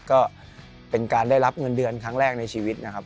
ก็เป็นการได้รับเงินเดือนครั้งแรกในชีวิตนะครับ